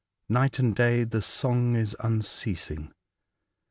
Night and day the song is unceasing.